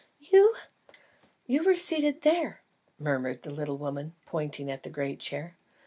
"You? You were seated there," murmured the little woman, pointing at the great chair.